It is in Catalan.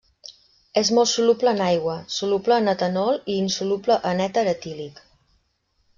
És molt soluble en aigua, soluble en etanol i insoluble en èter etílic.